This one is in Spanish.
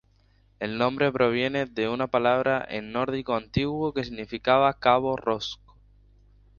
El nombre proviene de una palabra en nórdico antiguo que significa "cabo rocoso".